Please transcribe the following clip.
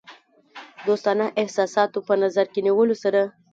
دوستانه احساساتو په نظر کې نیولو سره.